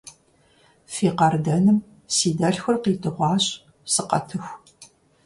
Фи къардэным си дэлъхур къидыгъуащ, сыкъэтыху.